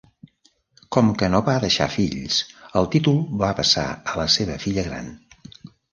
Com que no va deixar fills el títol va passar a la seva filla gran.